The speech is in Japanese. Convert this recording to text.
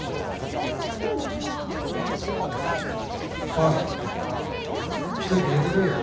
おい一息入れてこいよ。